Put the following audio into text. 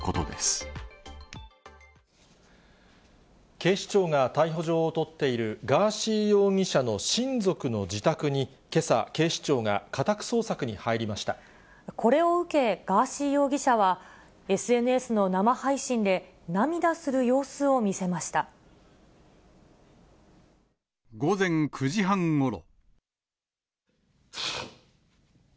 警視庁が逮捕状を取っている、ガーシー容疑者の親族の自宅に、けさ、これを受け、ガーシー容疑者は、ＳＮＳの生配信で、午前９時半ごろ。